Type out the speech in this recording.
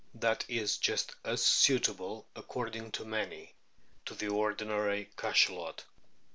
that is just as suitable, according to many, to the ordinary Cachalot.